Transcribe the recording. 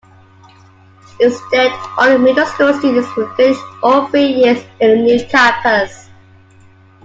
Instead, all middle school students will finish all three years in the new campus.